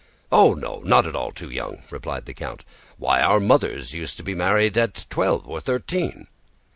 "Oh no, not at all too young!" replied the count. "Why, our mothers used to be married at twelve or thirteen."